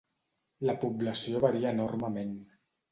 La població varia enormement.